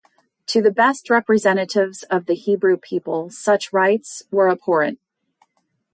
To the best representatives of the Hebrew people, such rites were abhorrent.